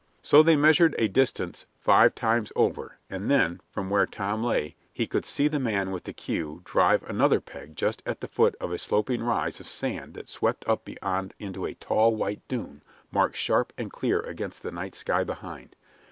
So they measured a distance five times over, and then, from where Tom lay, he could see the man with the queue drive another peg just at the foot of a sloping rise of sand that swept up beyond into a tall white dune marked sharp and clear against the night sky behind.